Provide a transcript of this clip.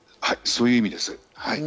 そういう意味です。